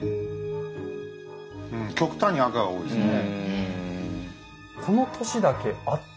極端に赤が多いですね。